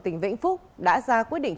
tỉnh vĩnh phúc đã ra quyết định